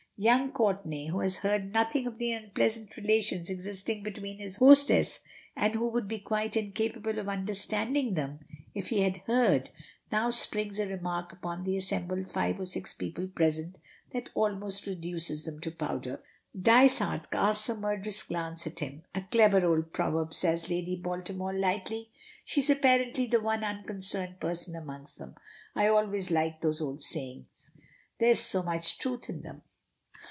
Young Courtenay, who has heard nothing of the unpleasant relations existing between his host and hostess, and who would be quite incapable of understanding them if he had heard, now springs a remark upon the assembled five or six people present that almost reduces them to powder. Dysart casts a murderous glance at him. "A clever old proverb," says Lady Baltimore lightly. She is apparently the one unconcerned person amongst them. "I always like those old sayings. There is so much truth in them."